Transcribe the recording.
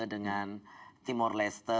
dengan timor leste